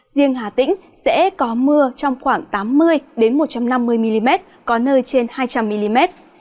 riêng hà tĩnh sẽ có mưa trong khoảng tám mươi một trăm năm mươi mm có nơi trên hai trăm linh mm